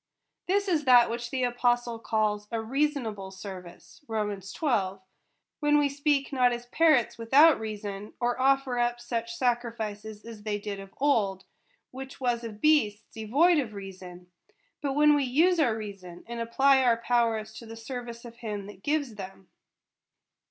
This is that which the apostle calls a rea sonable service (Rom. xii.), when we speak not as par rots without reason, or offer up such sacrifices as they did of old, which was of beasts devoid of reason ; but when we use our reason, and apply our powers to the service of him that gives them.